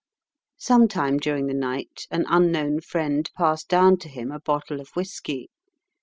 Some time during the night an unknown friend passed down to him a bottle of whisky.